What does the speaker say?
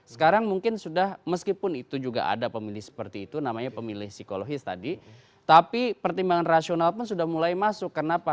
sekarang mungkin sudah meskipun itu juga ada pemilih seperti itu namanya pemilih psikologis tadi tapi pertimbangan rasional pun sudah mulai masuk kenapa